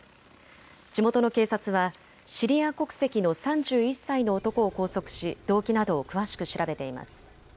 地元の警察はシリア国籍の３１歳の男を拘束し動機などを詳しく調べています。